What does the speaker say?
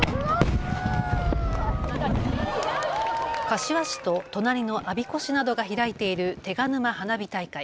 柏市と隣の我孫子市などが開いている手賀沼花火大会。